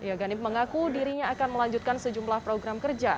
ya ganip mengaku dirinya akan melanjutkan sejumlah program kerja